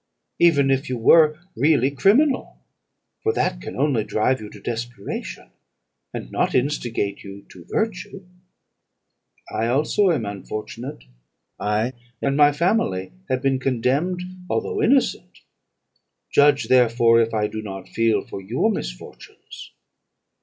even if you were really criminal; for that can only drive you to desperation, and not instigate you to virtue. I also am unfortunate; I and my family have been condemned, although innocent: judge, therefore, if I do not feel for your misfortunes.'